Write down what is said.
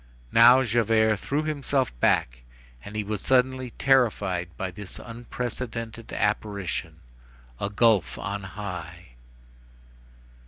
Now Javert threw himself back, and he was suddenly terrified by this unprecedented apparition: a gulf on high.